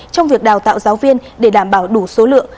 trong việc đào tạo giáo viên để đảm bảo đủ số lượng